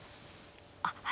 あっ。